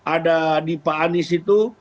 ada di pak anies itu